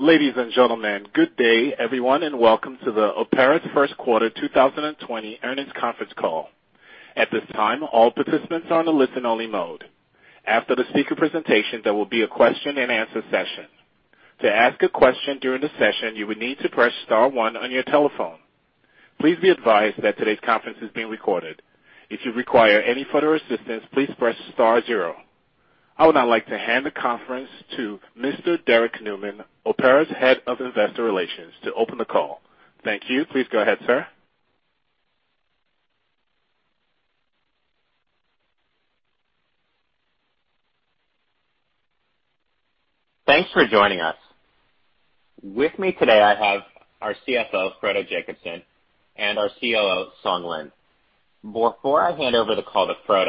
Ladies and gentlemen, good day, everyone, and welcome to the Opera's First Quarter 2020 Earnings Conference Call. At this time, all participants are in a listen-only mode. After the speaker presentation, there will be a question and answer session. To ask a question during the session, you would need to press star one on your telephone. Please be advised that today's conference is being recorded. If you require any further assistance, please press star zero. I would now like to hand the conference to Mr. Derek Newman, Opera's Head of Investor Relations, to open the call. Thank you. Please go ahead, sir. Thanks for joining us. With me today, I have our CFO, Frode Jacobsen, and our COO, Song Lin. Before I hand over the call to Frode,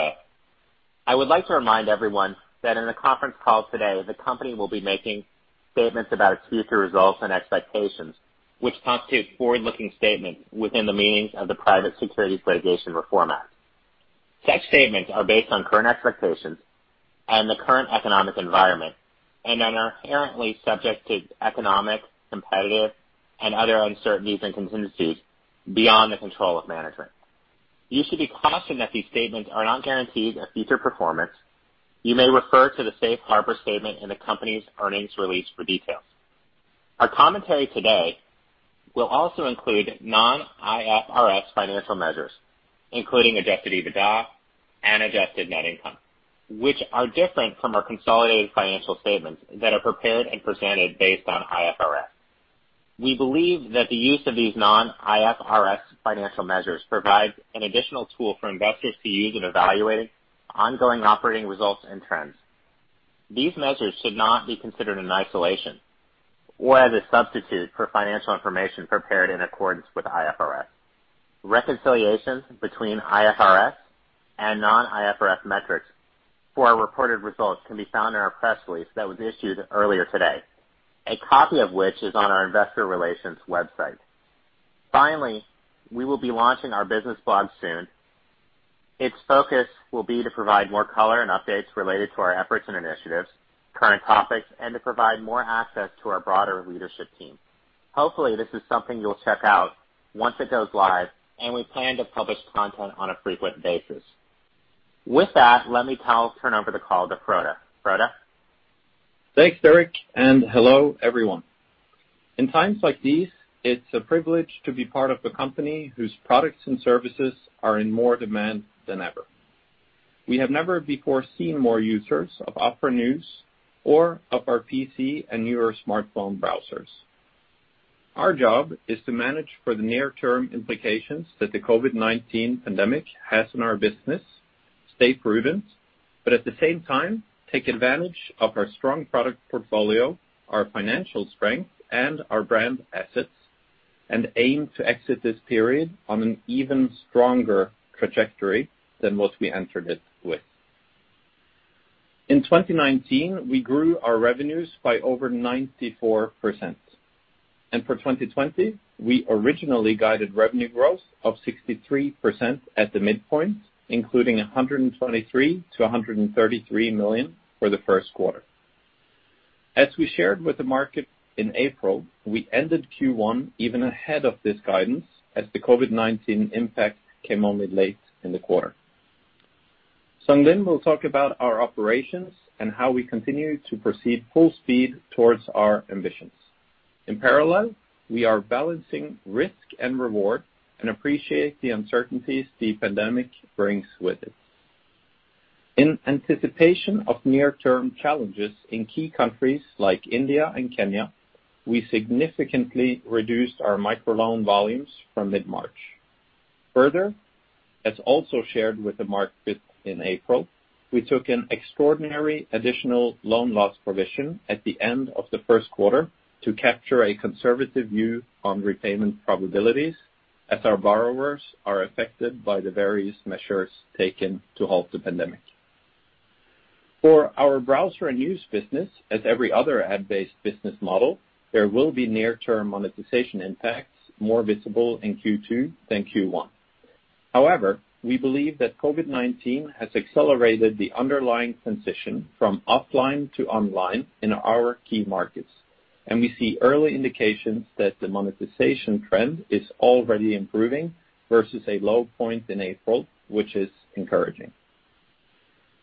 I would like to remind everyone that in the conference call today, the company will be making statements about its future results and expectations, which constitute forward-looking statements within the meaning of the Private Securities Litigation Reform Act. Such statements are based on current expectations and the current economic environment, and are inherently subject to economic, competitive, and other uncertainties and contingencies beyond the control of management. You should be cautioned that these statements are not guaranteed a future performance. You may refer to the Safe Harbor statement in the company's earnings release for details. Our commentary today will also include non-IFRS financial measures, including Adjusted EBITDA and adjusted net income, which are different from our consolidated financial statements that are prepared and presented based on IFRS. We believe that the use of these non-IFRS financial measures provides an additional tool for investors to use in evaluating ongoing operating results and trends. These measures should not be considered in isolation or as a substitute for financial information prepared in accordance with IFRS. Reconciliations between IFRS and non-IFRS metrics for our reported results can be found in our press release that was issued earlier today, a copy of which is on our investor relations website. Finally, we will be launching our business blog soon. Its focus will be to provide more color and updates related to our efforts and initiatives, current topics, and to provide more access to our broader leadership team. Hopefully, this is something you'll check out once it goes live, and we plan to publish content on a frequent basis. With that, let me turn over the call to Frode. Frode? Thanks, Derek, and hello everyone. In times like these, it's a privilege to be part of a company whose products and services are in more demand than ever. We have never before seen more users of Opera News or of our PC and newer smartphone browsers. Our job is to manage for the near-term implications that the COVID-19 pandemic has on our business, stay prudent, but at the same time, take advantage of our strong product portfolio, our financial strength, and our brand assets, and aim to exit this period on an even stronger trajectory than what we entered it with. In 2019, we grew our revenues by over 94%, and for 2020, we originally guided revenue growth of 63% at the midpoint, including $123 million-$133 million for the first quarter. As we shared with the market in April, we ended Q1 even ahead of this guidance as the COVID-19 impact came only late in the quarter. Song Lin will talk about our operations and how we continue to proceed full speed towards our ambitions. In parallel, we are balancing risk and reward and appreciate the uncertainties the pandemic brings with it. In anticipation of near-term challenges in key countries like India and Kenya, we significantly reduced our microloan volumes from mid-March. Further, as also shared with the market in April, we took an extraordinary additional loan loss provision at the end of the first quarter to capture a conservative view on repayment probabilities as our borrowers are affected by the various measures taken to halt the pandemic. For our browser and news business, as every other ad-based business model, there will be near-term monetization impacts more visible in Q2 than Q1. However, we believe that COVID-19 has accelerated the underlying transition from offline to online in our key markets, and we see early indications that the monetization trend is already improving versus a low point in April, which is encouraging.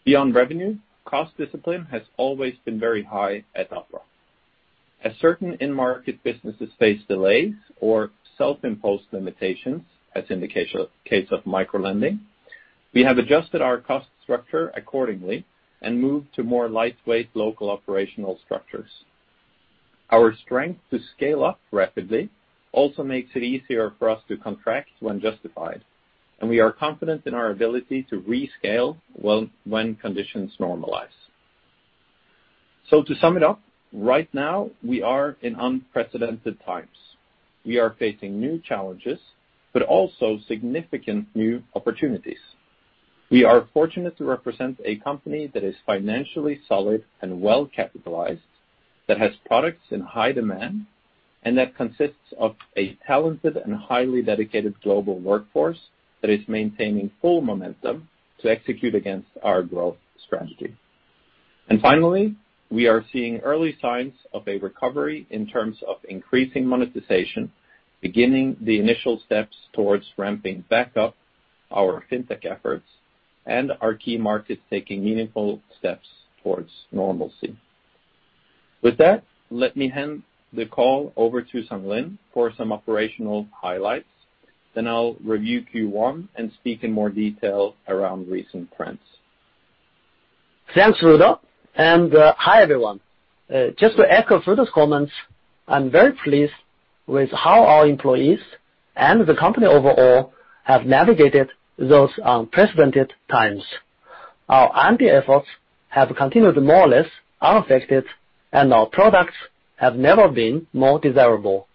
Beyond revenue, cost discipline has always been very high at Opera. As certain in-market businesses face delays or self-imposed limitations, as in the case of microlending, we have adjusted our cost structure accordingly and moved to more lightweight local operational structures. Our strength to scale up rapidly also makes it easier for us to contract when justified, and we are confident in our ability to rescale when conditions normalize. So, to sum it up, right now, we are in unprecedented times. We are facing new challenges, but also significant new opportunities. We are fortunate to represent a company that is financially solid and well-capitalized, that has products in high demand, and that consists of a talented and highly dedicated global workforce that is maintaining full momentum to execute against our growth strategy. And finally, we are seeing early signs of a recovery in terms of increasing monetization, beginning the initial steps towards ramping back up our fintech efforts and our key markets taking meaningful steps towards normalcy. With that, let me hand the call over to Song Lin for some operational highlights, then I'll review Q1 and speak in more detail around recent trends. Thanks, Frode. And hi everyone. Just to echo Frode's comments, I'm very pleased with how our employees and the company overall have navigated those unprecedented times. Our R&D efforts have continued more or less unaffected, and our products have never been more desirable.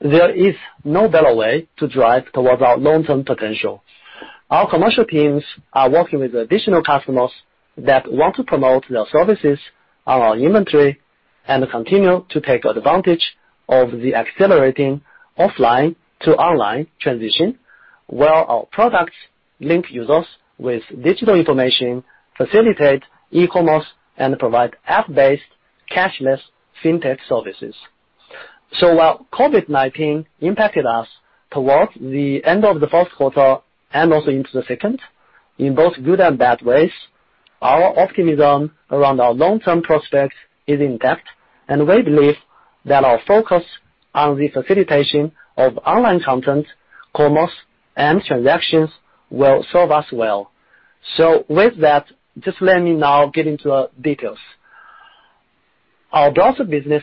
There is no better way to drive towards our long-term potential. Our commercial teams are working with additional customers that want to promote their services on our inventory and continue to take advantage of the accelerating offline to online transition, while our products link users with digital information, facilitate e-commerce, and provide app-based cashless fintech services, so while COVID-19 impacted us towards the end of the first quarter and also into the second, in both good and bad ways, our optimism around our long-term prospects is intact, and we believe that our focus on the facilitation of online content, commerce, and transactions will serve us well. So, with that, just let me now get into the details. Our browser business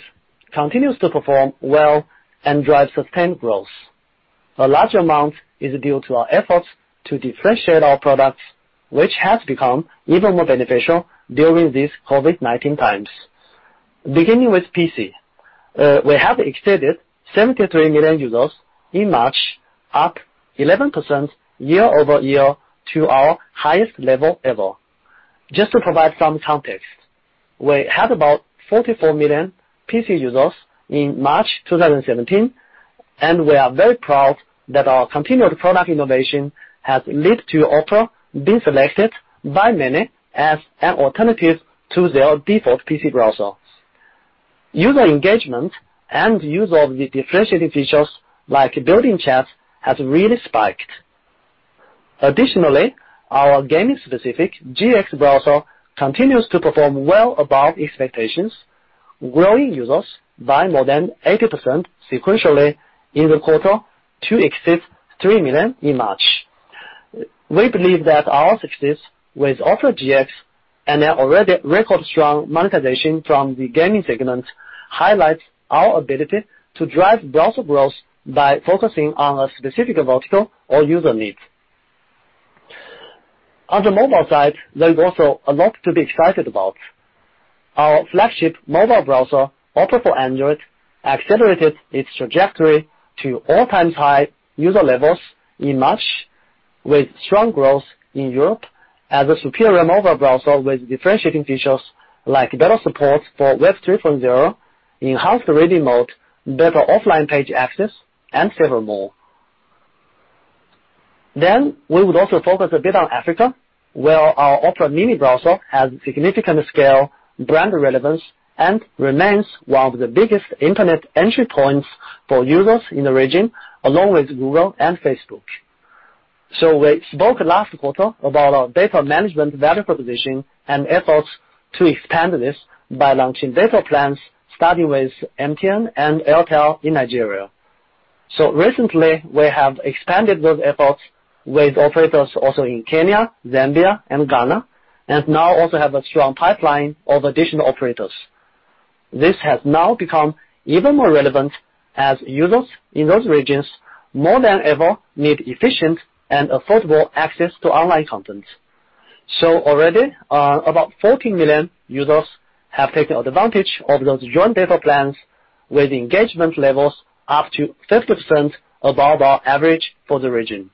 continues to perform well and drive sustained growth. A large amount is due to our efforts to differentiate our products, which has become even more beneficial during these COVID-19 times. Beginning with PC, we have exceeded 73 million users in March, up 11% year-over-year to our highest level ever. Just to provide some context, we had about 44 million PC users in March 2017, and we are very proud that our continued product innovation has led to Opera being selected by many as an alternative to their default PC browser. User engagement and use of the differentiating features like built-in chats has really spiked. Additionally, our gaming-specific GX browser continues to perform well above expectations, growing users by more than 80% sequentially in the quarter to exceed 3 million in March. We believe that our success with Opera GX and our already record-strong monetization from the gaming segment highlights our ability to drive browser growth by focusing on a specific vertical or user need. On the mobile side, there is also a lot to be excited about. Our flagship mobile browser, Opera for Android, accelerated its trajectory to all-time high user levels in March, with strong growth in Europe as a superior mobile browser with differentiating features like better support for Web 3.0, enhanced reading mode, better offline page access, and several more, then we would also focus a bit on Africa, where our Opera Mini browser has significant scale, brand relevance, and remains one of the biggest internet entry points for users in the region, along with Google and Facebook. We spoke last quarter about our data management value proposition and efforts to expand this by launching data plans starting with MTN and Airtel in Nigeria. Recently, we have expanded those efforts with operators also in Kenya, Zambia, and Ghana, and now also have a strong pipeline of additional operators. This has now become even more relevant as users in those regions more than ever need efficient and affordable access to online content. Already, about 14 million users have taken advantage of those joint data plans with engagement levels up to 50% above our average for the region.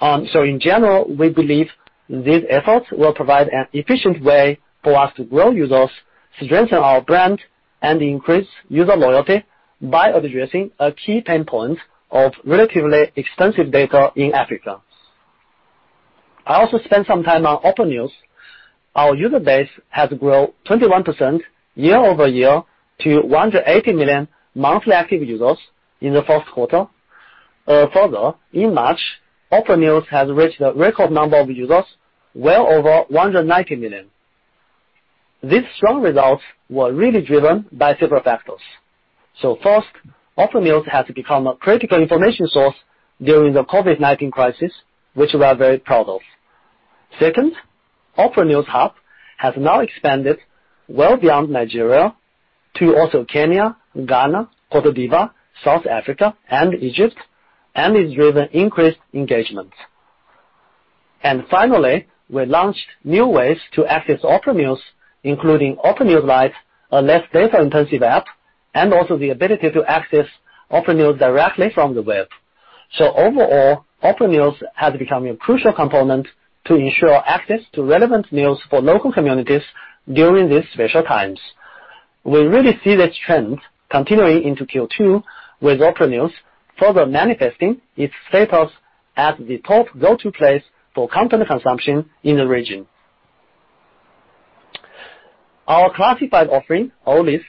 In general, we believe these efforts will provide an efficient way for us to grow users, strengthen our brand, and increase user loyalty by addressing a key pain point of relatively expensive data in Africa. I also spent some time on Opera News. Our user base has grown 21% year-over-year to 180 million monthly active users in the first quarter. Further, in March, Opera News has reached a record number of users, well over 190 million. These strong results were really driven by several factors, so first, Opera News has become a critical information source during the COVID-19 crisis, which we are very proud of, second, Opera News Hub has now expanded well beyond Nigeria to also Kenya, Ghana, Côte d'Ivoire, South Africa, and Egypt, and is driving increased engagement, and finally, we launched new ways to access Opera News, including Opera News Lite, a less data-intensive app, and also the ability to access Opera News directly from the web, so overall, Opera News has become a crucial component to ensure access to relevant news for local communities during these special times. We really see this trend continuing into Q2, with Opera News further manifesting its status as the top go-to place for content consumption in the region. Our classified offering, OList,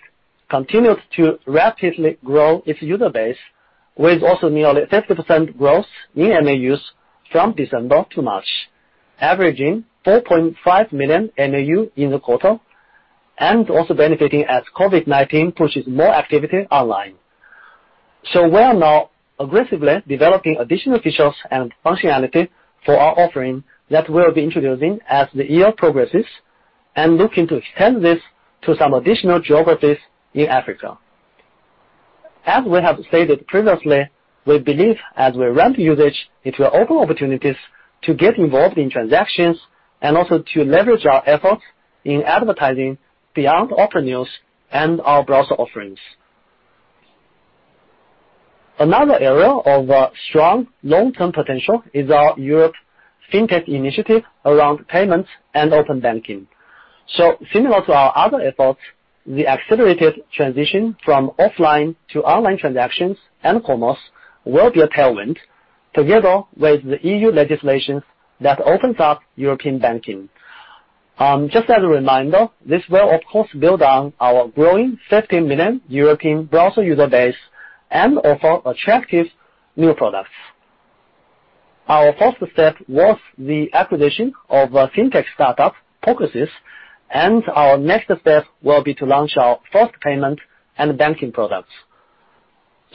continued to rapidly grow its user base with also nearly 50% growth in MAUs from December to March, averaging 4.5 million MAU in the quarter, and also benefiting as COVID-19 pushes more activity online, so we are now aggressively developing additional features and functionality for our offering that we'll be introducing as the year progresses and looking to extend this to some additional geographies in Africa. As we have stated previously, we believe as we ramp usage, it will open opportunities to get involved in transactions and also to leverage our efforts in advertising beyond Opera News and our browser offerings. Another area of strong long-term potential is our Europe fintech initiative around payments and open banking. Similar to our other efforts, the accelerated transition from offline to online transactions and commerce will be a tailwind, together with the EU legislation that opens up European banking. Just as a reminder, this will, of course, build on our growing 15 million European browser user base and offer attractive new products. Our first step was the acquisition of a fintech startup, Pocosys, and our next step will be to launch our first payment and banking products.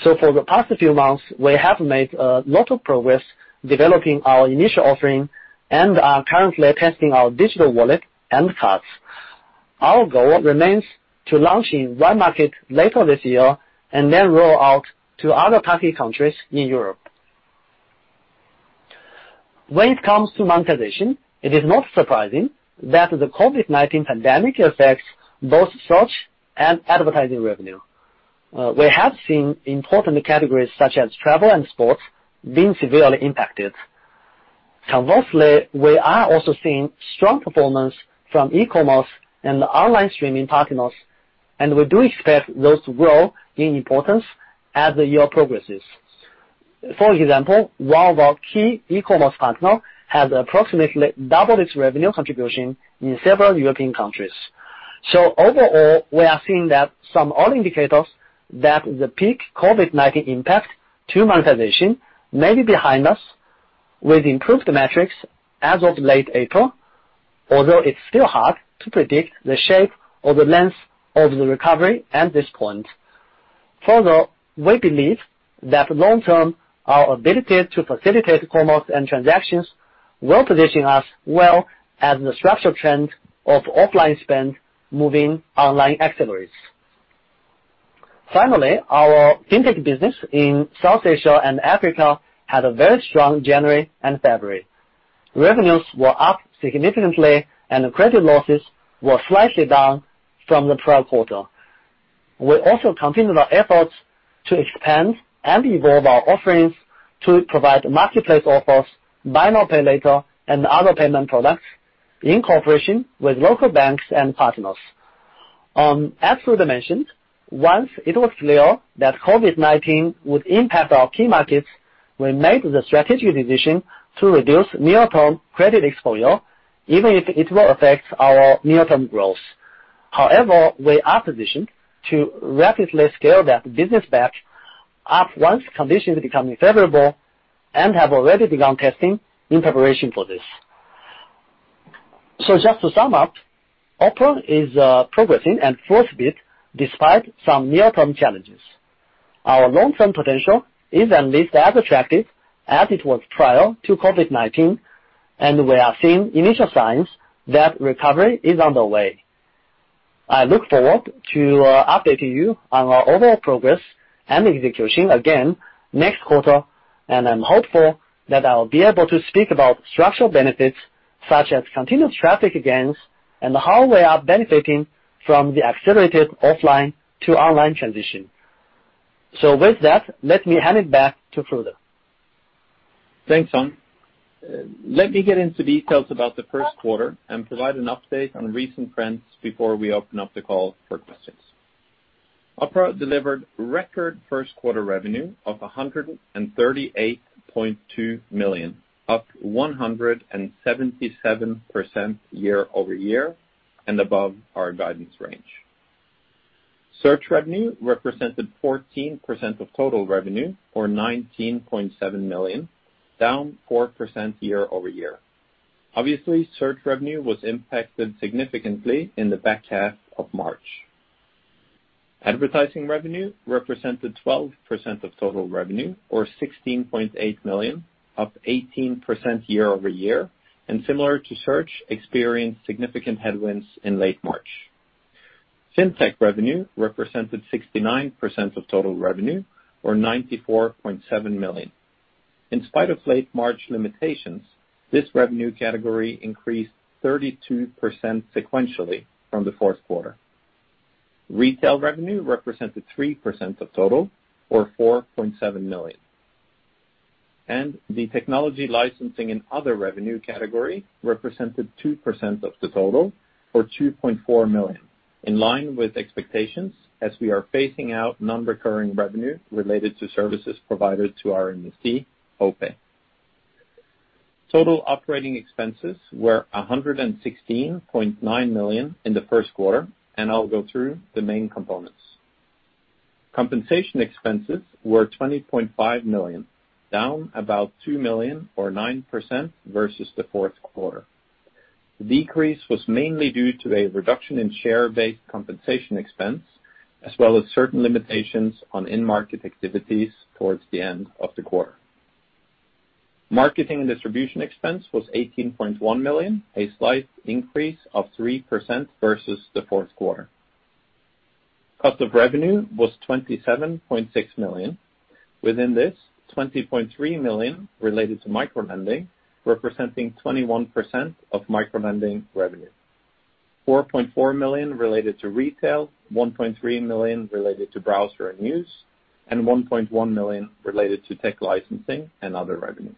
For the past few months, we have made a lot of progress developing our initial offering and are currently testing our digital wallet and cards. Our goal remains to launch in one market later this year and then roll out to other EU countries in Europe. When it comes to monetization, it is not surprising that the COVID-19 pandemic affects both search and advertising revenue. We have seen important categories such as travel and sports being severely impacted. Conversely, we are also seeing strong performance from e-commerce and online streaming partners, and we do expect those to grow in importance as the year progresses. For example, one of our key e-commerce partners has approximately double its revenue contribution in several European countries. So, overall, we are seeing that some other indicators that the peak COVID-19 impact to monetization may be behind us with improved metrics as of late April, although it's still hard to predict the shape or the length of the recovery at this point. Further, we believe that long-term, our ability to facilitate commerce and transactions will position us well as the structural trend of offline spend moving online accelerates. Finally, our fintech business in South Asia and Africa had a very strong January and February. Revenues were up significantly, and credit losses were slightly down from the prior quarter. We also continued our efforts to expand and evolve our offerings to provide marketplace offers, buy now, pay later, and other payment products in cooperation with local banks and partners. As Frode mentioned, once it was clear that COVID-19 would impact our key markets, we made the strategic decision to reduce near-term credit exposure, even if it will affect our near-term growth. However, we are positioned to rapidly scale that business back up once conditions become favorable and have already begun testing in preparation for this. So, just to sum up, Opera is progressing and full steam despite some near-term challenges. Our long-term potential is at least as attractive as it was prior to COVID-19, and we are seeing initial signs that recovery is on the way. I look forward to updating you on our overall progress and execution again next quarter, and I'm hopeful that I'll be able to speak about structural benefits such as continuous traffic gains and how we are benefiting from the accelerated offline to online transition. So, with that, let me hand it back to Frode. Thanks, Song. Let me get into details about the first quarter and provide an update on recent trends before we open up the call for questions. Opera delivered record first quarter revenue of $138.2 million, up 177% year-over-year and above our guidance range. Search revenue represented 14% of total revenue, or $19.7 million, down 4% year-over-year. Obviously, search revenue was impacted significantly in the back half of March. Advertising revenue represented 12% of total revenue, or $16.8 million, up 18% year-over-year, and similar to search, experienced significant headwinds in late March. Fintech revenue represented 69% of total revenue, or $94.7 million. In spite of late March limitations, this revenue category increased 32% sequentially from the fourth quarter. Retail revenue represented 3% of total, or $4.7 million. The technology licensing and other revenue category represented 2% of the total, or $2.4 million, in line with expectations as we are phasing out non-recurring revenue related to services provided to our investee, OPay. Total operating expenses were $116.9 million in the first quarter, and I'll go through the main components. Compensation expenses were $20.5 million, down about $2 million, or 9% versus the fourth quarter. The decrease was mainly due to a reduction in share-based compensation expense, as well as certain limitations on in-market activities towards the end of the quarter. Marketing and distribution expense was $18.1 million, a slight increase of 3% versus the fourth quarter. Cost of revenue was $27.6 million. Within this, $20.3 million related to microlending representing 21% of microlending revenue, $4.4 million related to retail, $1.3 million related to browser and news, and $1.1 million related to tech licensing and other revenue.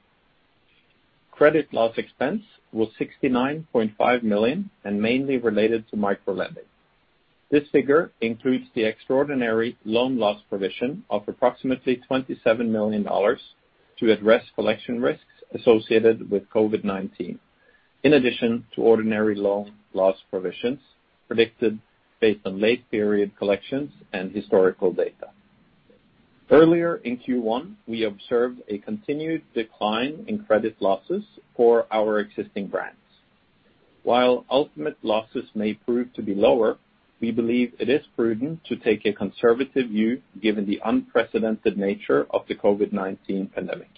Credit loss expense was $69.5 million and mainly related to microlending. This figure includes the extraordinary loan loss provision of approximately $27 million to address collection risks associated with COVID-19, in addition to ordinary loan loss provisions predicted based on late-period collections and historical data. Earlier in Q1, we observed a continued decline in credit losses for our existing brands. While ultimate losses may prove to be lower, we believe it is prudent to take a conservative view given the unprecedented nature of the COVID-19 pandemic.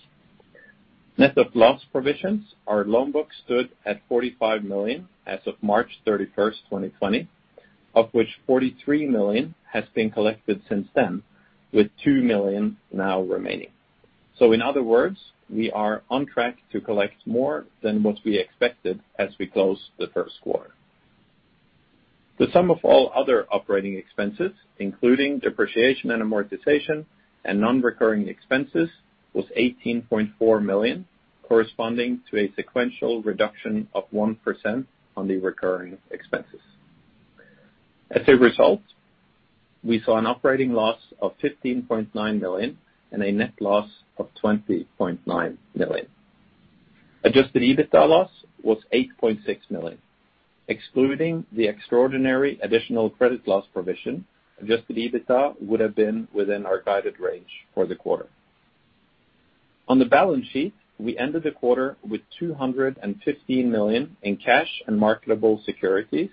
Net of loss provisions, our loan book stood at $45 million as of March 31, 2020, of which $43 million has been collected since then, with $2 million now remaining. So, in other words, we are on track to collect more than what we expected as we close the first quarter. The sum of all other operating expenses, including depreciation and amortization and non-recurring expenses, was $18.4 million, corresponding to a sequential reduction of 1% on the recurring expenses. As a result, we saw an operating loss of $15.9 million and a net loss of $20.9 million. Adjusted EBITDA loss was $8.6 million. Excluding the extraordinary additional credit loss provision, adjusted EBITDA would have been within our guided range for the quarter. On the balance sheet, we ended the quarter with $215 million in cash and marketable securities,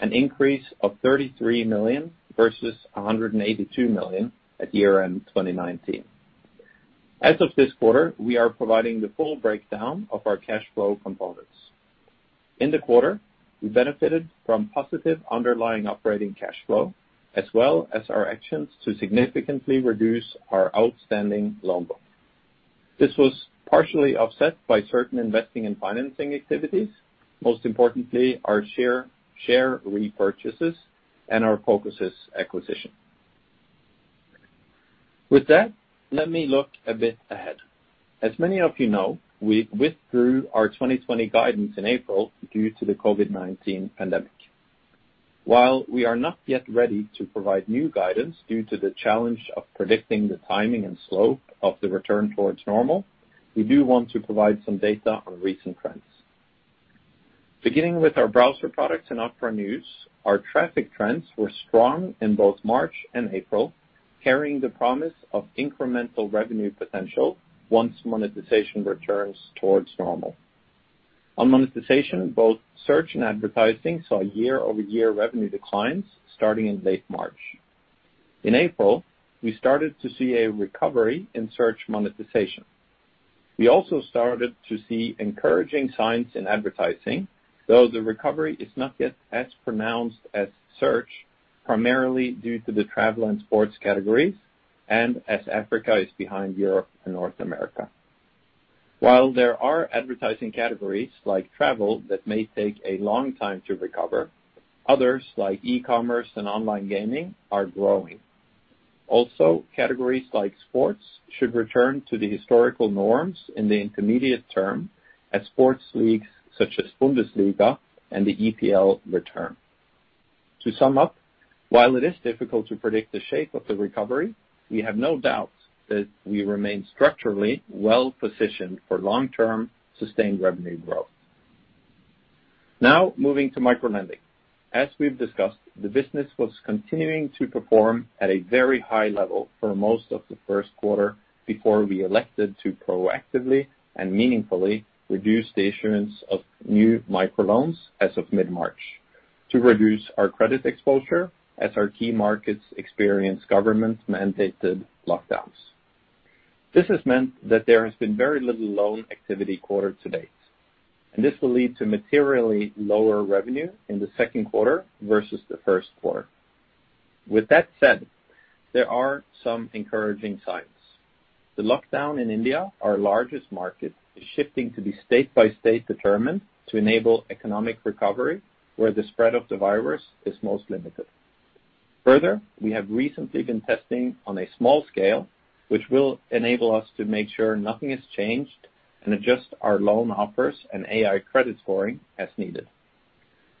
an increase of $33 million versus $182 million at year-end 2019. As of this quarter, we are providing the full breakdown of our cash flow components. In the quarter, we benefited from positive underlying operating cash flow, as well as our actions to significantly reduce our outstanding loan book. This was partially offset by certain investing and financing activities, most importantly our share repurchases and our Pocosys acquisition. With that, let me look a bit ahead. As many of you know, we withdrew our 2020 guidance in April due to the COVID-19 pandemic. While we are not yet ready to provide new guidance due to the challenge of predicting the timing and slope of the return towards normal, we do want to provide some data on recent trends. Beginning with our browser products and Opera News, our traffic trends were strong in both March and April, carrying the promise of incremental revenue potential once monetization returns towards normal. On monetization, both search and advertising saw year-over-year revenue declines starting in late March. In April, we started to see a recovery in search monetization. We also started to see encouraging signs in advertising, though the recovery is not yet as pronounced as search, primarily due to the travel and sports categories and as Africa is behind Europe and North America. While there are advertising categories like travel that may take a long time to recover, others like e-commerce and online gaming are growing. Also, categories like sports should return to the historical norms in the intermediate term as sports leagues such as Bundesliga and the EPL return. To sum up, while it is difficult to predict the shape of the recovery, we have no doubt that we remain structurally well-positioned for long-term sustained revenue growth. Now, moving to microlending. As we've discussed, the business was continuing to perform at a very high level for most of the first quarter before we elected to proactively and meaningfully reduce the issuance of new microloans as of mid-March to reduce our credit exposure as our key markets experienced government-mandated lockdowns. This has meant that there has been very little loan activity quarter to date, and this will lead to materially lower revenue in the second quarter versus the first quarter. With that said, there are some encouraging signs. The lockdown in India, our largest market, is shifting to be state-by-state determined to enable economic recovery where the spread of the virus is most limited. Further, we have recently been testing on a small scale, which will enable us to make sure nothing has changed and adjust our loan offers and AI credit scoring as needed.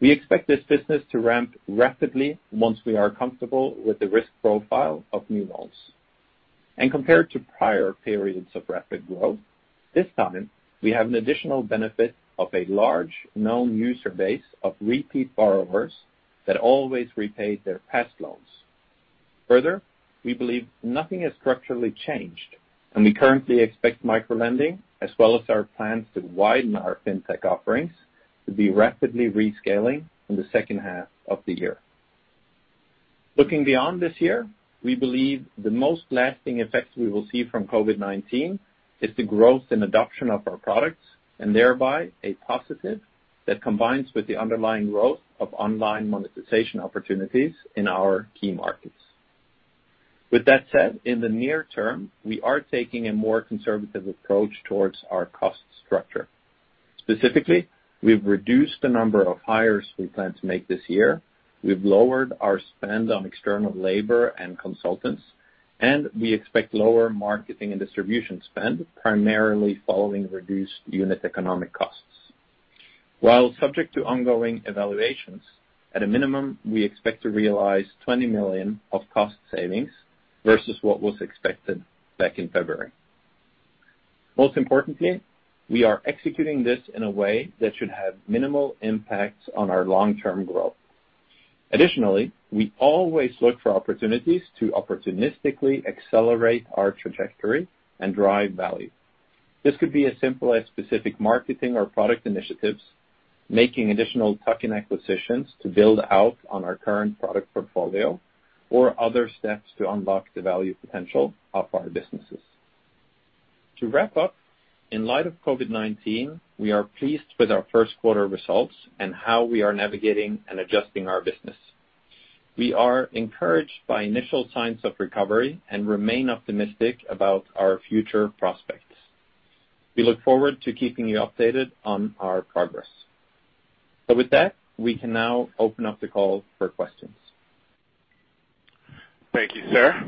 We expect this business to ramp rapidly once we are comfortable with the risk profile of new loans, and compared to prior periods of rapid growth, this time we have an additional benefit of a large known user base of repeat borrowers that always repay their past loans. Further, we believe nothing has structurally changed, and we currently expect microlending, as well as our plans to widen our fintech offerings, to be rapidly rescaling in the second half of the year. Looking beyond this year, we believe the most lasting effect we will see from COVID-19 is the growth in adoption of our products and thereby a positive that combines with the underlying growth of online monetization opportunities in our key markets. With that said, in the near term, we are taking a more conservative approach towards our cost structure. Specifically, we've reduced the number of hires we plan to make this year, we've lowered our spend on external labor and consultants, and we expect lower marketing and distribution spend, primarily following reduced unit economic costs. While subject to ongoing evaluations, at a minimum, we expect to realize $20 million of cost savings versus what was expected back in February. Most importantly, we are executing this in a way that should have minimal impacts on our long-term growth. Additionally, we always look for opportunities to opportunistically accelerate our trajectory and drive value. This could be as simple as specific marketing or product initiatives, making additional token acquisitions to build out on our current product portfolio, or other steps to unlock the value potential of our businesses. To wrap up, in light of COVID-19, we are pleased with our first quarter results and how we are navigating and adjusting our business. We are encouraged by initial signs of recovery and remain optimistic about our future prospects. We look forward to keeping you updated on our progress. But with that, we can now open up the call for questions. Thank you, sir.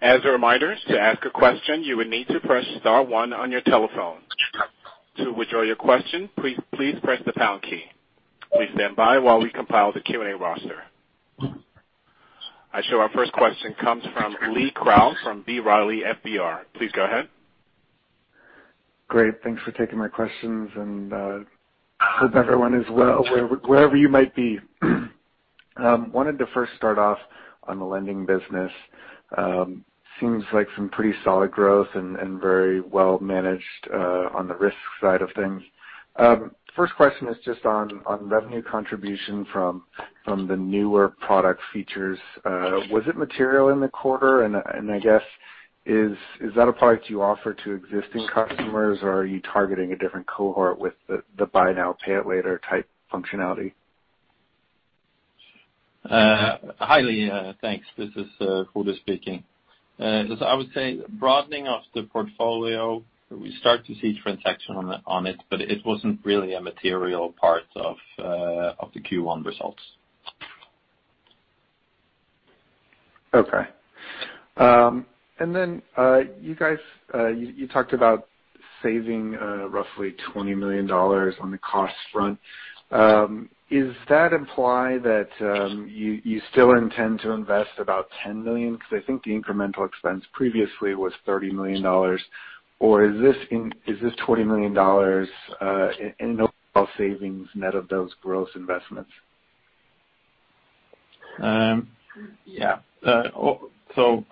As a reminder, to ask a question, you would need to press star one on your telephone. To withdraw your question, please press the pound key. Please stand by while we compile the Q&A roster. I show our first question comes from Lee Krowl from B. Riley FBR. Please go ahead. Great. Thanks for taking my questions, and I hope everyone is well wherever you might be. I wanted to first start off on the lending business. It seems like some pretty solid growth and very well-managed on the risk side of things. First question is just on revenue contribution from the newer product features. Was it material in the quarter? And I guess, is that a product you offer to existing customers, or are you targeting a different cohort with the buy now, pay later type functionality? Hi, thanks. This is Frode speaking. I would say broadening of the portfolio, we start to see transactions on it, but it wasn't really a material part of the Q1 results. Okay. And then you talked about saving roughly $20 million on the cost front. Does that imply that you still intend to invest about $10 million? Because I think the incremental expense previously was $30 million. Or is this $20 million in overall savings net of those growth investments? Yeah. So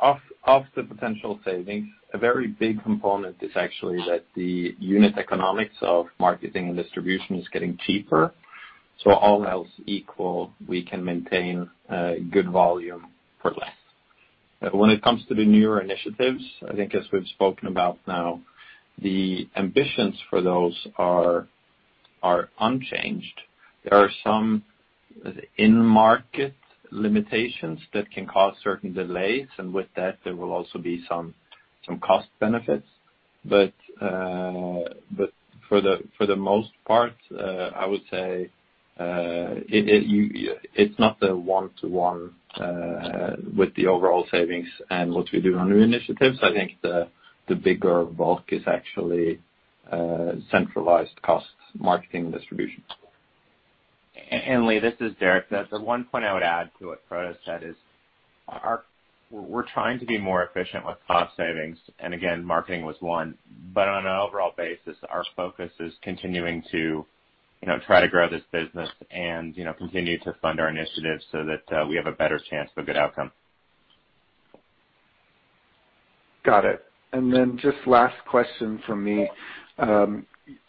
of the potential savings, a very big component is actually that the unit economics of marketing and distribution is getting cheaper. So all else equal, we can maintain good volume for less. When it comes to the newer initiatives, I think as we've spoken about now, the ambitions for those are unchanged. There are some in-market limitations that can cause certain delays, and with that, there will also be some cost benefits. But for the most part, I would say it's not the one-to-one with the overall savings and what we do on new initiatives. I think the bigger bulk is actually centralized cost marketing and distribution. And Lee, this is Derek. The one point I would add to what Frode said is we're trying to be more efficient with cost savings. And again, marketing was one. But on an overall basis, our focus is continuing to try to grow this business and continue to fund our initiatives so that we have a better chance for good outcome. Got it. And then just last question from me.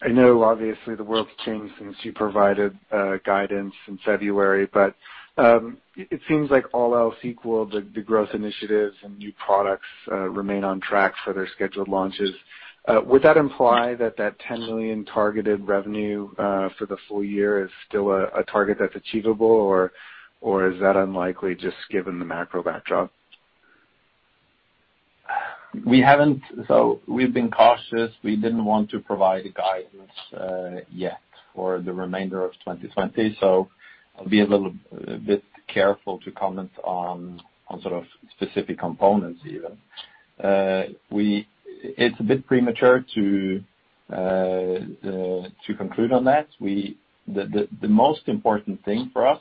I know obviously the world's changed since you provided guidance in February, but it seems like all else equal, the growth initiatives and new products remain on track for their scheduled launches. Would that imply that that $10 million targeted revenue for the full year is still a target that's achievable, or is that unlikely just given the macro backdrop? We haven't. So we've been cautious. We didn't want to provide guidance yet for the remainder of 2020, so I'll be a little bit careful to comment on sort of specific components even. It's a bit premature to conclude on that. The most important thing for us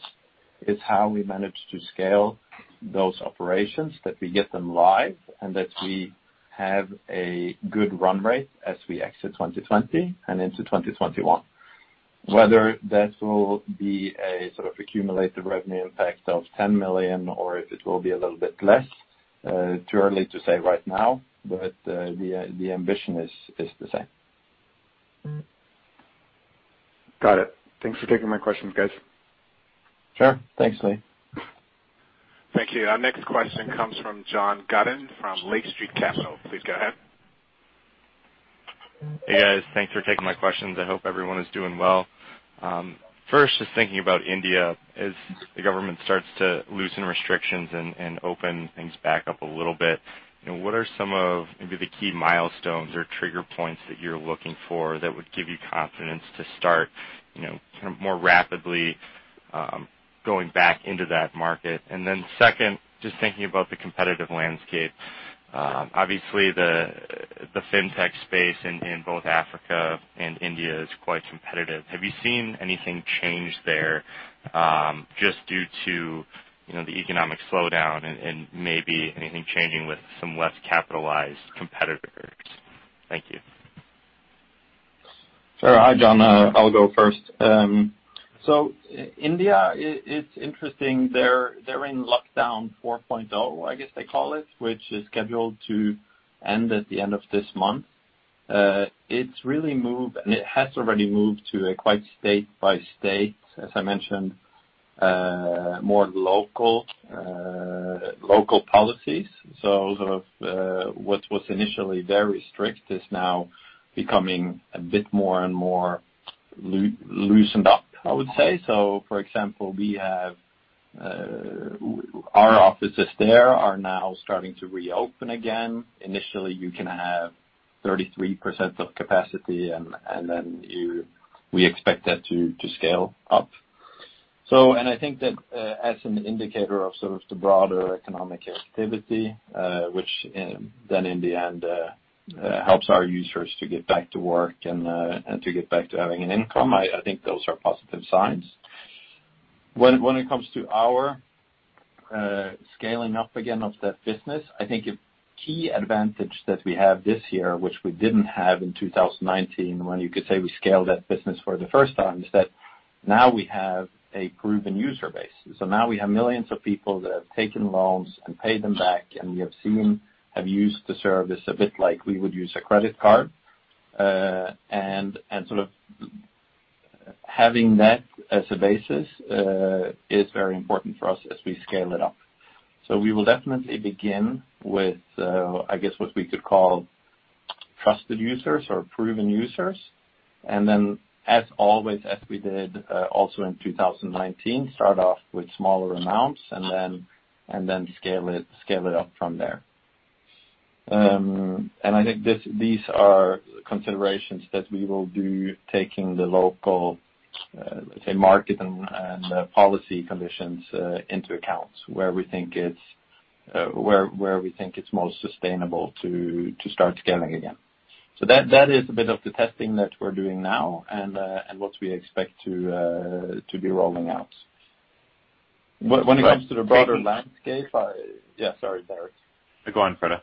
is how we manage to scale those operations, that we get them live and that we have a good run rate as we exit 2020 and into 2021. Whether that will be a sort of accumulated revenue impact of $10 million or if it will be a little bit less, too early to say right now, but the ambition is the same. Got it. Thanks for taking my questions, guys. Sure. Thanks, Lee. Thank you. Our next question comes from John Godin from Lake Street Capital. Please go ahead. Hey, guys. Thanks for taking my questions. I hope everyone is doing well. First, just thinking about India, as the government starts to loosen restrictions and open things back up a little bit, what are some of maybe the key milestones or trigger points that you're looking for that would give you confidence to start kind of more rapidly going back into that market? And then second, just thinking about the competitive landscape. Obviously, the fintech space in both Africa and India is quite competitive. Have you seen anything change there just due to the economic slowdown and maybe anything changing with some less capitalized competitors? Thank you. Sure. Hi, John. I'll go first, so India, it's interesting. They're in Lockdown 4.0, I guess they call it, which is scheduled to end at the end of this month. It's really moved, and it has already moved to quite a state-by-state, as I mentioned, more local policies, so sort of what was initially very strict is now becoming a bit more and more loosened up, I would say, so for example, our offices there are now starting to reopen again. Initially, you can have 33% of capacity, and then we expect that to scale up, and I think that as an indicator of sort of the broader economic activity, which then in the end helps our users to get back to work and to get back to having an income, I think those are positive signs. When it comes to our scaling up again of that business, I think a key advantage that we have this year, which we didn't have in 2019 when you could say we scaled that business for the first time, is that now we have a proven user base. So now we have millions of people that have taken loans and paid them back, and we have seen how they have used the service a bit like we would use a credit card. And sort of having that as a basis is very important for us as we scale it up. So we will definitely begin with, I guess, what we could call trusted users or proven users. And then, as always, as we did also in 2019, start off with smaller amounts and then scale it up from there. And I think these are considerations that we will do, taking the local market and policy conditions into account, where we think it's most sustainable to start scaling again. So that is a bit of the testing that we're doing now and what we expect to be rolling out. When it comes to the broader landscape. Yeah. Sorry, Derek. Go ahead, Frode.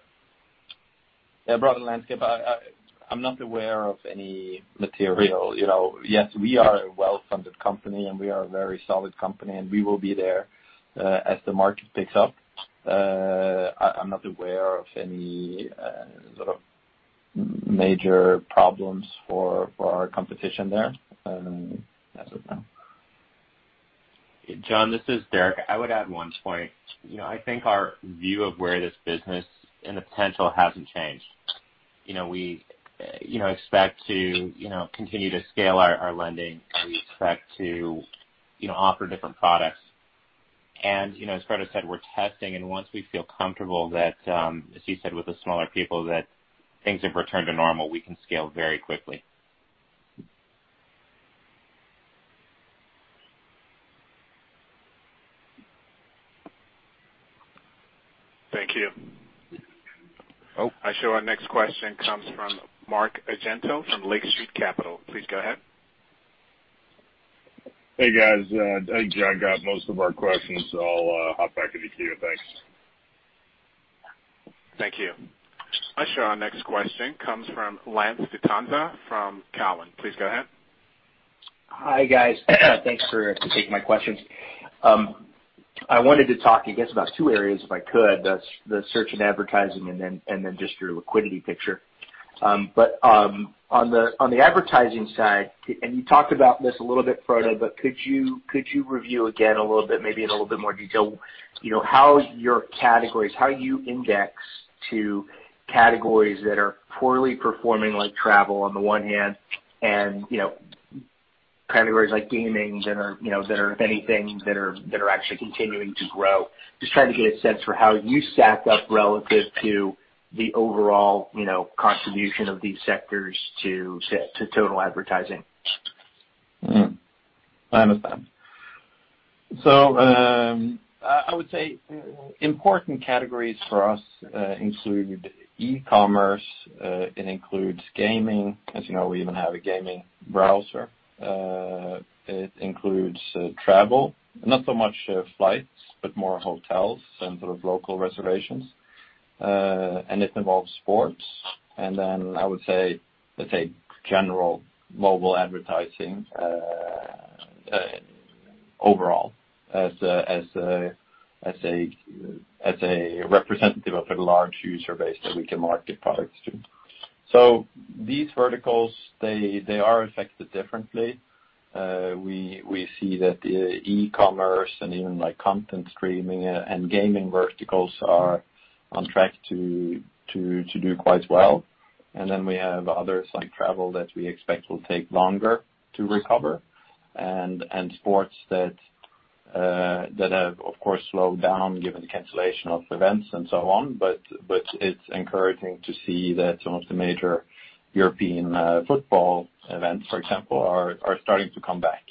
Yeah. Broader landscape. I'm not aware of any material. Yes, we are a well-funded company, and we are a very solid company, and we will be there as the market picks up. I'm not aware of any sort of major problems for our competition there. That's it. John, this is Derek. I would add one point. I think our view of where this business and the potential hasn't changed. We expect to continue to scale our lending. We expect to offer different products. And as Frode said, we're testing. And once we feel comfortable that, as he said, with the smaller people, that things have returned to normal, we can scale very quickly. Thank you. Our next question comes from Mark Argento from Lake Street Capital Markets. Please go ahead. Hey, guys. I think John got most of our questions, so I'll hop back into queue. Thanks. Thank you. I show our next question comes from Lance Vitanza from Cowen. Please go ahead. Hi, guys. Thanks for taking my questions. I wanted to talk, I guess, about two areas if I could: the search and advertising and then just your liquidity picture. But on the advertising side, and you talked about this a little bit, Frode, but could you review again a little bit, maybe in a little bit more detail, how your categories, how you index to categories that are poorly performing like travel on the one hand and categories like gaming that are, if anything, that are actually continuing to grow? Just trying to get a sense for how you stack up relative to the overall contribution of these sectors to total advertising. I understand. So I would say important categories for us include e-commerce. It includes gaming. As you know, we even have a gaming browser. It includes travel. Not so much flights, but more hotels and sort of local reservations. And it involves sports. And then I would say, let's say, general mobile advertising overall as a representative of a large user base that we can market products to. So these verticals, they are affected differently. We see that the e-commerce and even content streaming and gaming verticals are on track to do quite well. And then we have others like travel that we expect will take longer to recover and sports that have, of course, slowed down given the cancellation of events and so on. But it's encouraging to see that some of the major European football events, for example, are starting to come back.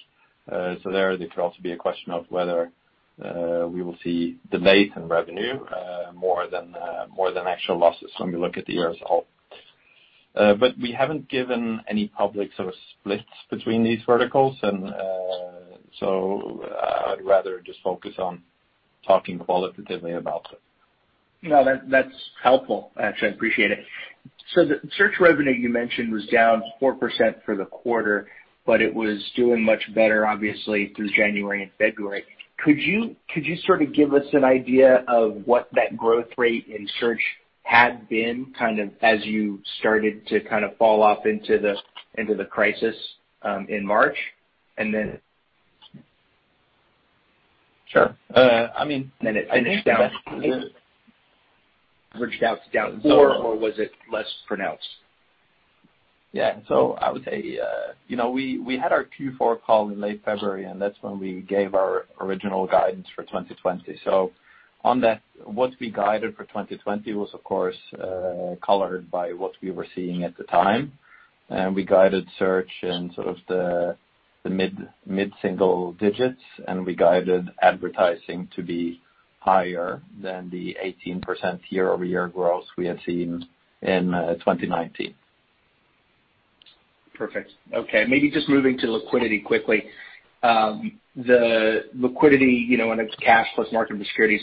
So there could also be a question of whether we will see delayed revenue more than actual losses when we look at the year as a whole. But we haven't given any public sort of splits between these verticals, and so I'd rather just focus on talking qualitatively about them. No, that's helpful, actually. I appreciate it. So the search revenue you mentioned was down 4% for the quarter, but it was doing much better, obviously, through January and February. Could you sort of give us an idea of what that growth rate in search had been kind of as you started to kind of fall off into the crisis in March and then? Sure. I mean. It finished down. It finished down to down, or was it less pronounced? Yeah. So I would say we had our Q4 call in late February, and that's when we gave our original guidance for 2020. So on that, what we guided for 2020 was, of course, colored by what we were seeing at the time. And we guided search in sort of the mid-single digits, and we guided advertising to be higher than the 18% year-over-year growth we had seen in 2019. Perfect. Okay. Maybe just moving to liquidity quickly. The liquidity and its cash plus marketable securities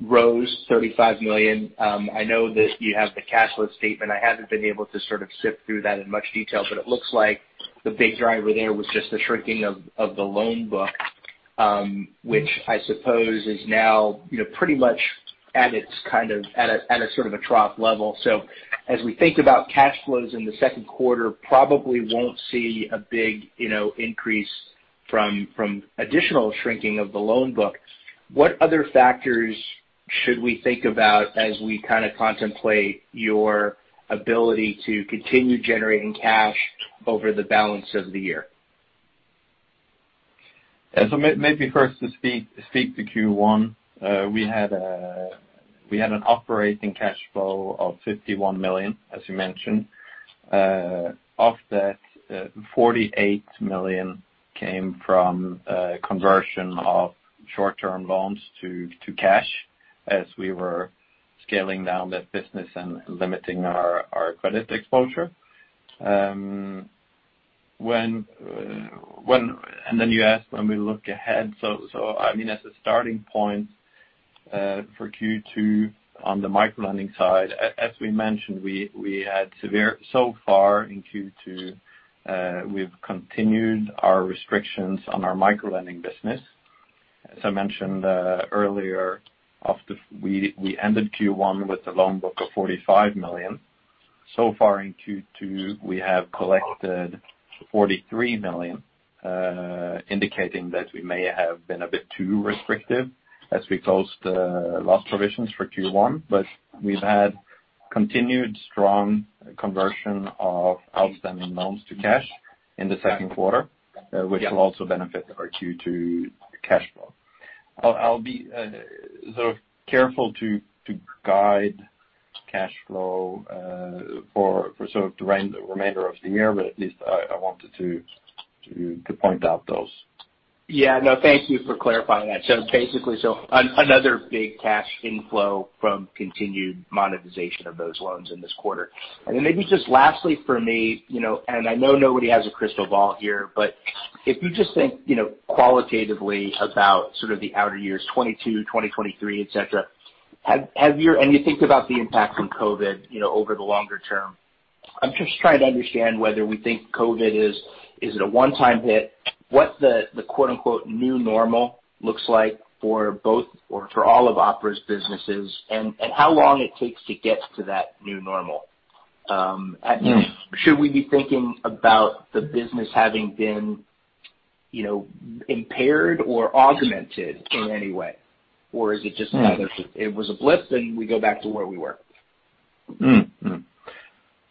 rose $35 million. I know that you have the cash flow statement. I haven't been able to sort of sift through that in much detail, but it looks like the big driver there was just the shrinking of the loan book, which I suppose is now pretty much at its kind of at a sort of a trough level. So as we think about cash flows in the second quarter, probably won't see a big increase from additional shrinking of the loan book. What other factors should we think about as we kind of contemplate your ability to continue generating cash over the balance of the year? So maybe first to speak to Q1, we had an operating cash flow of $51 million, as you mentioned. Of that, $48 million came from conversion of short-term loans to cash as we were scaling down that business and limiting our credit exposure. And then you asked when we look ahead. So I mean, as a starting point for Q2 on the microlending side, as we mentioned, we have so far in Q2, we've continued our restrictions on our microlending business. As I mentioned earlier, we ended Q1 with a loan book of $45 million. So far in Q2, we have collected $43 million, indicating that we may have been a bit too restrictive as we closed the last provisions for Q1. But we've had continued strong conversion of outstanding loans to cash in the second quarter, which will also benefit our Q2 cash flow. I'll be sort of careful to guide cash flow for sort of the remainder of the year, but at least I wanted to point out those. Yeah. No, thank you for clarifying that. So basically, another big cash inflow from continued monetization of those loans in this quarter. And then maybe just lastly for me, and I know nobody has a crystal ball here, but if you just think qualitatively about sort of the outer years, 2022, 2023, etc., and you think about the impact from COVID over the longer term, I'm just trying to understand whether we think COVID is a one-time hit, what the "new normal" looks like for both or for all of Opera's businesses, and how long it takes to get to that new normal. Should we be thinking about the business having been impaired or augmented in any way, or is it just another, it was a blip, and we go back to where we were?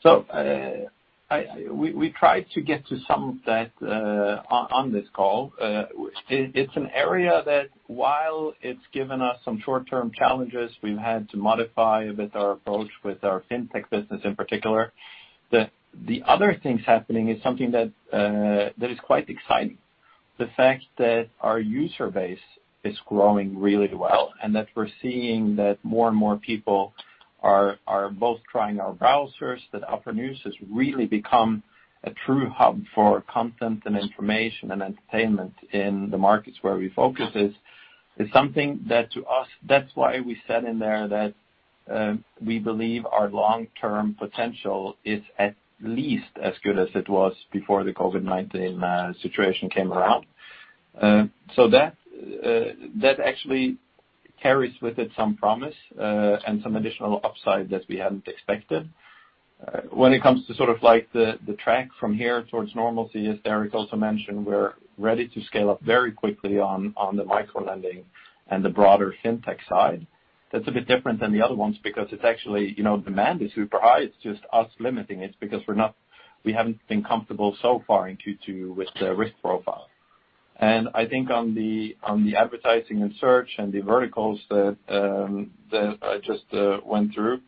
So we tried to get to some of that on this call. It's an area that, while it's given us some short-term challenges, we've had to modify a bit our approach with our fintech business in particular. The other thing happening is something that is quite exciting. The fact that our user base is growing really well and that we're seeing that more and more people are both trying our browsers, that Opera News has really become a true hub for content and information and entertainment in the markets where we focus is something that, to us, that's why we said in there that we believe our long-term potential is at least as good as it was before the COVID-19 situation came around. So that actually carries with it some promise and some additional upside that we hadn't expected. When it comes to sort of the track from here towards normalcy, as Derek also mentioned, we're ready to scale up very quickly on the microlending and the broader fintech side. That's a bit different than the other ones because it's actually demand is super high. It's just us limiting it because we haven't been comfortable so far in Q2 with the risk profile, and I think on the advertising and search and the verticals that I just went through,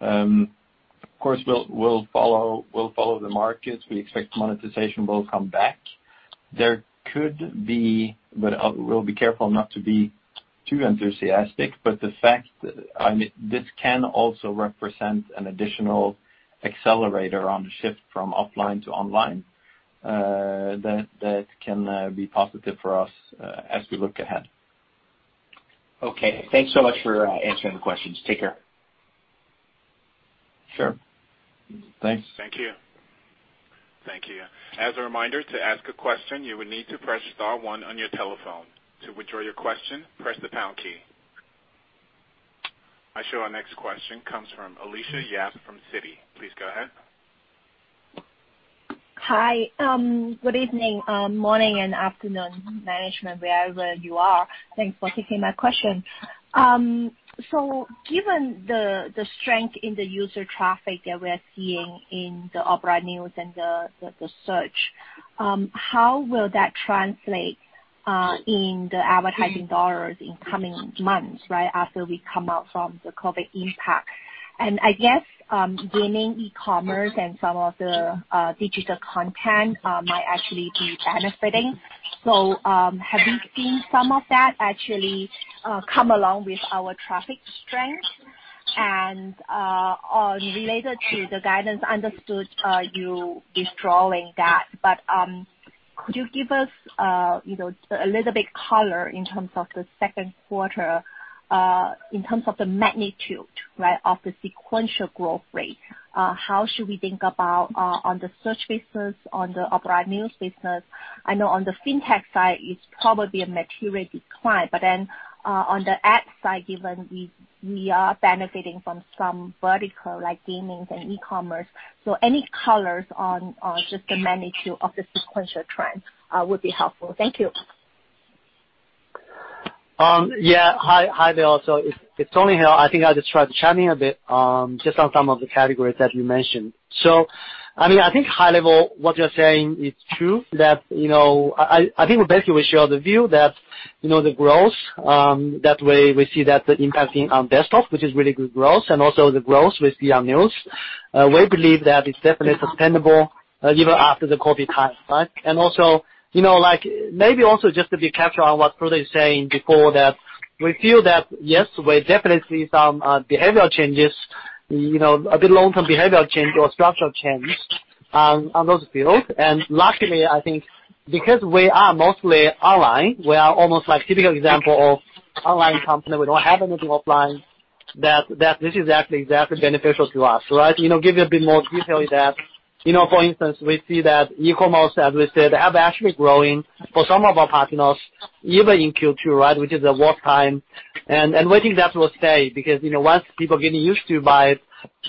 of course, we'll follow the markets. We expect monetization will come back. There could be, but we'll be careful not to be too enthusiastic, but the fact that this can also represent an additional accelerator on the shift from offline to online that can be positive for us as we look ahead. Okay. Thanks so much for answering the questions. Take care. Sure. Thanks. Thank you. Thank you. As a reminder, to ask a question, you would need to press star one on your telephone. To withdraw your question, press the pound key. Our next question comes from Alicia Yap from Citi. Please go ahead. Hi. Good evening, morning, and afternoon, management, wherever you are. Thanks for taking my question. So given the strength in the user traffic that we are seeing in the Opera News and the search, how will that translate in the advertising dollars in coming months, right, after we come out from the COVID impact? And I guess gaming, e-commerce, and some of the digital content might actually be benefiting. So have we seen some of that actually come along with our traffic strength? And related to the guidance, understood you withdrawing that. But could you give us a little bit color in terms of the second quarter, in terms of the magnitude, right, of the sequential growth rate? How should we think about on the search business, on the Opera News business? I know on the fintech side, it's probably a material decline. But then on the ad side, given we are benefiting from some vertical like gaming and e-commerce, so any colors on just the magnitude of the sequential trend would be helpful. Thank you. Yeah. Hi, there also. It's only I think I just tried chatting a bit just on some of the categories that you mentioned. So I mean, I think high level, what you're saying is true that I think basically we share the view that the growth, that we see that the impacting on desktop, which is really good growth, and also the growth we see on news. We believe that it's definitely sustainable even after the COVID time, right? And also maybe also just to be careful on what Frode is saying before that we feel that, yes, we definitely see some behavioral changes, a bit long-term behavioral change or structural change on those fields. And luckily, I think because we are mostly online, we are almost like typical example of online company. We don't have anything offline that this is actually exactly beneficial to us, right? Give you a bit more detail in that. For instance, we see that e-commerce, as we said, have actually growing for some of our partners even in Q2, right, which is a worst time. And we think that will stay because once people are getting used to buy it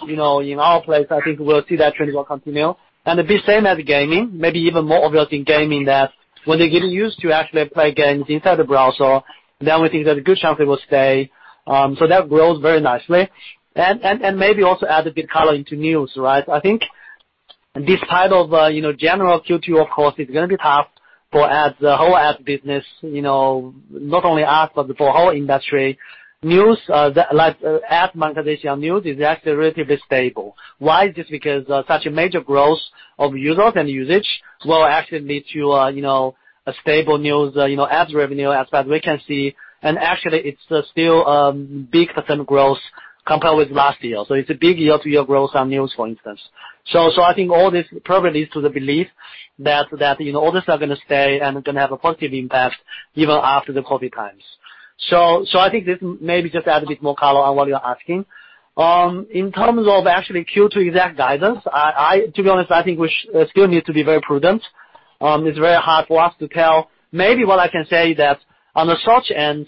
in our place, I think we'll see that trend will continue. And the same as gaming, maybe even more obvious in gaming that when they get used to actually play games inside the browser, then we think there's a good chance it will stay. So that grows very nicely. And maybe also add a bit color into news, right? I think this type of general Q2, of course, is going to be tough for the whole ad business, not only us, but for the whole industry. News like ad monetization on news is actually relatively stable. Why? Just because such a major growth of users and usage will actually lead to a stable news ad revenue aspect we can see. And actually, it's still a big percent growth compared with last year. So it's a big year-to-year growth on news, for instance. So I think all this probably leads to the belief that all this is going to stay and going to have a positive impact even after the COVID times. So I think this maybe just add a bit more color on what you're asking. In terms of actually Q2 exact guidance, to be honest, I think we still need to be very prudent. It's very hard for us to tell. Maybe what I can say is that on the search end,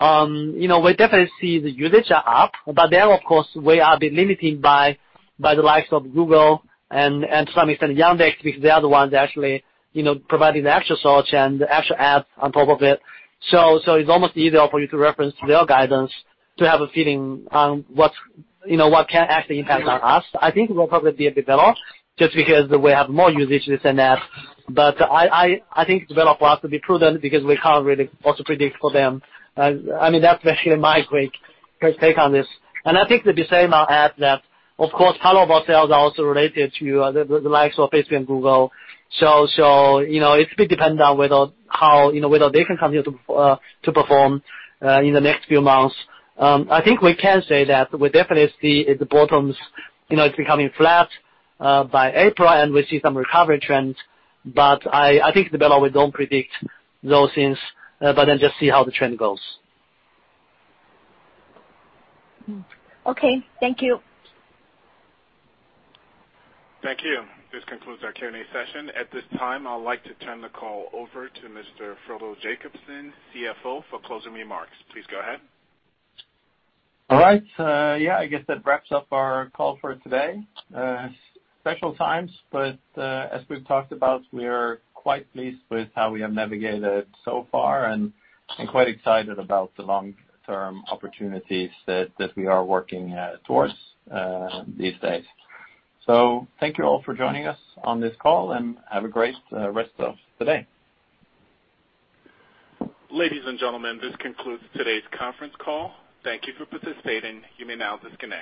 we definitely see the usage are up, but then, of course, we are a bit limited by the likes of Google and to some extent Yandex because they are the ones actually providing the actual search and the actual ads on top of it. So it's almost easier for you to reference their guidance to have a feeling on what can actually impact on us. I think we'll probably be a bit better just because we have more usage to send that. But I think it's better for us to be prudent because we can't really also predict for them. I mean, that's basically my quick take on this. And I think the same ad that, of course, part of our sales are also related to the likes of Facebook and Google. It's a bit dependent on whether they can continue to perform in the next few months. I think we can say that we definitely see at the bottoms; it's becoming flat by April, and we see some recovery trend. But I think the better we don't predict those things, but then just see how the trend goes. Okay. Thank you. Thank you. This concludes our Q&A session. At this time, I'd like to turn the call over to Mr. Frode Jacobsen, CFO, for closing remarks. Please go ahead. All right. Yeah. I guess that wraps up our call for today. Special times, but as we've talked about, we're quite pleased with how we have navigated so far and quite excited about the long-term opportunities that we are working towards these days. So thank you all for joining us on this call and have a great rest of the day. Ladies and gentlemen, this concludes today's conference call. Thank you for participating. You may now disconnect.